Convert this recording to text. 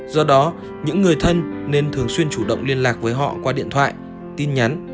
do đó những người thân nên thường xuyên chủ động liên lạc với họ qua điện thoại tin nhắn và báo cáo